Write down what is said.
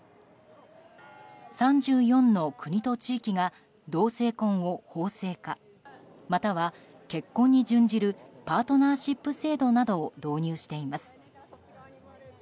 ３４の国と地域が同性婚を法制化または結婚に準じるパートナーシップ制度などを導入しています。